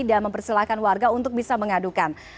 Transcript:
dan mempersilahkan warga untuk bisa mengadukan